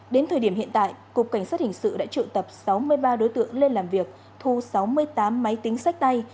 đến thời điểm hiện tại cục cảnh sát hình sự đã trự tập sáu mươi ba đối tượng lên làm việc thu sáu mươi tám máy tính sách tay